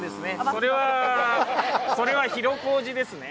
それはそれは広小路ですね。